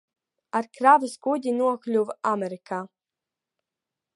Ar kravas kuģi nokļuva Amerikā.